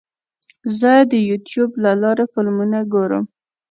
زه د یوټیوب له لارې فلمونه ګورم.